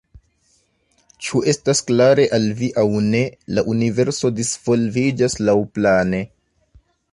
Ĉu estas klare al vi, aŭ ne, la universo disvolviĝas laŭplane.